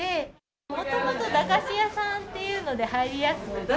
もともと駄菓子屋さんっていうので入りやすくて。